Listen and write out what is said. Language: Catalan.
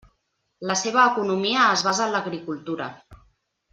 La seva economia es basa en l'agricultura.